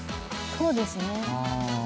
そうですね。